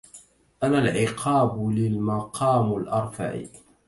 أنا العقاب لي المقام الأرفع